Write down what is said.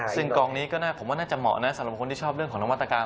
ซึ่งกองนี้ก็น่าผมว่าน่าจะเหมาะนะสำหรับคนที่ชอบเรื่องของนวัตกรรม